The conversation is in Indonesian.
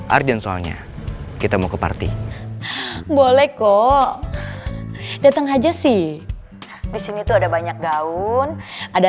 urgent soalnya kita mau ke party boleh kok datang aja sih disini tuh ada banyak gaun ada